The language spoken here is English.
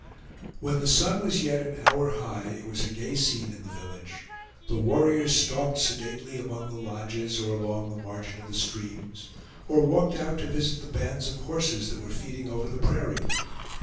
When the sun was yet an hour high, it was a gay scene in the village. The warriors stalked sedately among the lodges, or along the margin of the streams, or walked out to visit the bands of horses that were feeding over the prairie.